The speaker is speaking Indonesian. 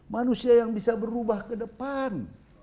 manusia yang bisa berubah ke depan